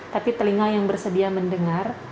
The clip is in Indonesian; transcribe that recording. tapi telinga yang bersedia mendengar